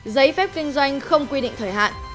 giấy phép kinh doanh không quy định thời hạn